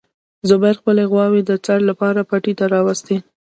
زبیر خپلې غواوې د څړ لپاره پټي ته راوستې.